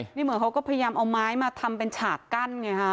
นี่เหมือนเขาก็พยายามเอาไม้มาทำเป็นฉากกั้นไงฮะ